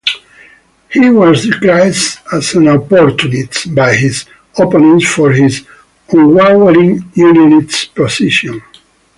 He was described as an "opportunist" by his opponents for his unwavering Unionist position.